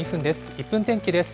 １分天気です。